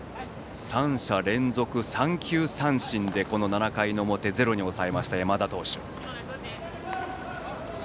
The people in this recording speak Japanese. ３者連続３球三振でこの７回の表をゼロに抑えた山田投手。